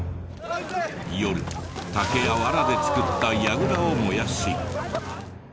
夜竹やワラで作ったやぐらを燃やし。